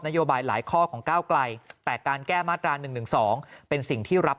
โยบายหลายข้อของก้าวไกลแต่การแก้มาตรา๑๑๒เป็นสิ่งที่รับ